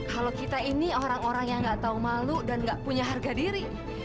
kalau kita ini orang orang yang gak tahu malu dan nggak punya harga diri